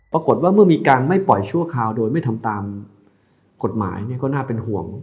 เมื่อมีการไม่ปล่อยชั่วคราวโดยไม่ทำตามกฎหมายก็น่าเป็นห่วง